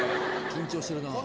緊張してるなぁ。